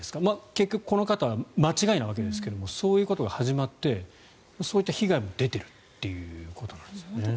結局この方は間違いなわけですがそういうことが始まってそういった被害も出ているということですね。